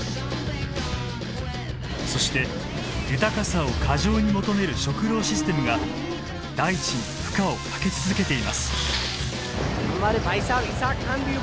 そして豊かさを過剰に求める食料システムが大地に負荷をかけ続けています。